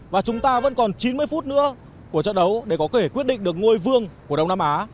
và chúng ta vẫn còn chín mươi phút nữa của trận đấu để có thể quyết định được ngôi vương của đông nam á